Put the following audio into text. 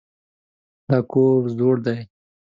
دا کور زوړ دی.